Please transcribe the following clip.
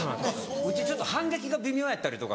うち反撃が微妙やったりとか。